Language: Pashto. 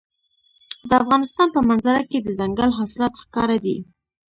د افغانستان په منظره کې دځنګل حاصلات ښکاره دي.